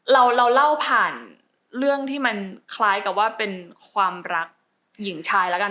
เราเล่าผ่านเรื่องที่มันคล้ายกับว่าเป็นความรักหญิงชายแล้วกัน